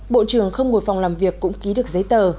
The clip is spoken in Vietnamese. bộ trưởng không ngồi phòng làm việc cũng ký được giấy tờ